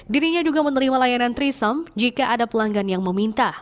dirinya juga menerima layanan trisam jika ada pelanggan yang meminta